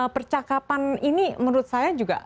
percakapan ini menurut saya juga